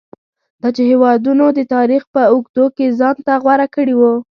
دا چې هېوادونو د تاریخ په اوږدو کې ځان ته غوره کړي وو.